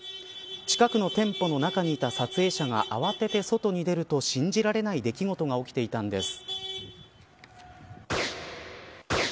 近くの店舗の中にいた撮影者が慌てて外に出ると信じられない出来事が起きていたんです。